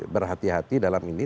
berhati hati dalam ini